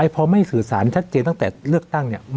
พอไม่สื่อสารชัดเจนตั้งแต่เลือกตั้งเนี่ย